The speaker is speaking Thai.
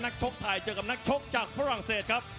ชกไทยเจอกับนักชกจากฝรั่งเศสครับ